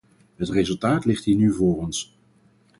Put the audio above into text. Het resultaat ligt hier nu voor ons.